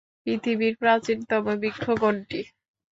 পৃথিবীর প্রাচীনতম বৃক্ষ কোনটি?